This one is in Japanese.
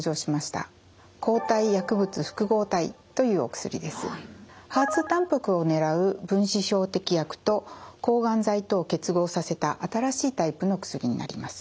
２たんぱくを狙う分子標的薬と抗がん剤とを結合させた新しいタイプの薬になります。